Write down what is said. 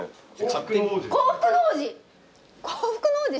『幸福の王子』